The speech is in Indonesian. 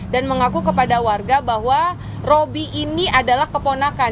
dan mengaku kepada warga bahwa robi ini adalah keponakan